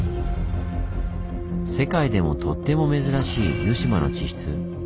世界でもとっても珍しい沼島の地質。